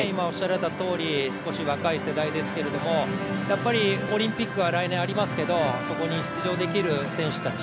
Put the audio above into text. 少し若い世代ですけれどもやっぱりオリンピックが来年、ありますけどそこに出場できる選手たち。